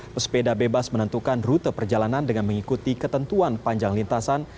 pesepeda bebas menentukan rute perjalanan dengan mengikuti ketentuan panjang lintasan